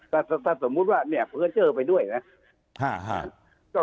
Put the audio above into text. แต่ถ้าสมมติว่าเนี้ยเพื่อเจอไปด้วยนะฮ่าฮ่า